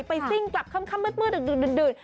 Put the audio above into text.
ซิ่งกลับค่ำมืดดึก